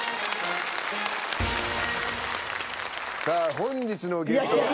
さあ本日のゲストは。